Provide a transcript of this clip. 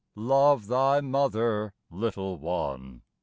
Love thy mother, little one!